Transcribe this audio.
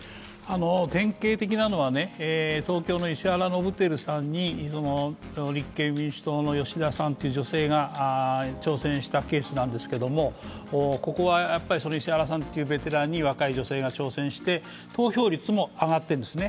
典型的なのは、東京の石原伸晃さんに立憲民主党の吉田さんという女性が挑戦したケースなんですけどここは石原さんというベテランに若い女性が挑戦して、投票率も上がっているんですね。